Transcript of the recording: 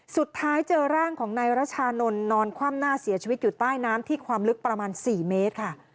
เจอร่างของนายรัชานนท์นอนคว่ำหน้าเสียชีวิตอยู่ใต้น้ำที่ความลึกประมาณ๔เมตรค่ะ